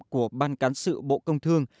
của ban cán sự bộ công thương